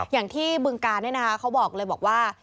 อย่างที่บึงกาลเนี่ยนะคะเขาบอกเลยบอกว่า